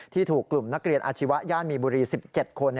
ถูกกลุ่มนักเรียนอาชีวะย่านมีบุรี๑๗คน